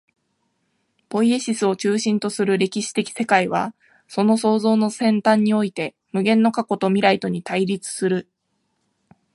ポイエシスを中心とする歴史的世界は、その創造の尖端において、無限の過去と未来とに対立する。